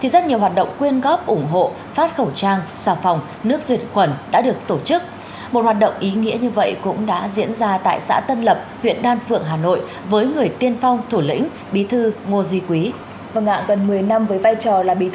đoàn thanh niên và hội chữ thập đỏ xã tân lập huyện đan phượng hà nội